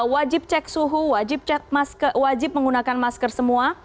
wajib cek suhu wajib menggunakan masker semua